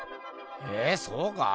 えそうか？